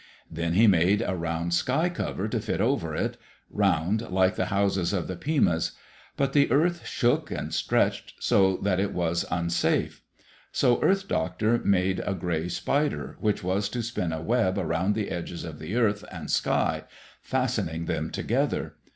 Then he made a round sky cover to fit over it, round like the houses of the Pimas. But the earth shook and stretched, so that it was unsafe. So Earth Doctor made a gray spider which was to spin a web around the edges of the earth and sky, fastening them together.